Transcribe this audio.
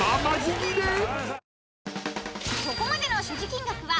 ［ここまでの所持金額は］